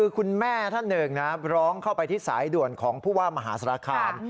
คุณแม่ท่านหนึ่งนะร้องเข้าไปที่สายด่วนของผู้ว่ามหาสารคาม